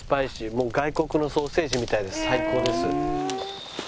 もう外国のソーセージみたいで最高です。